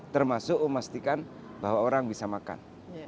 termasuk memastikan bahwa orang bisa makan